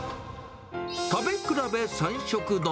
食べ比べ三食丼。